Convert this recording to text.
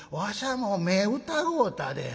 もう目ぇ疑うたで。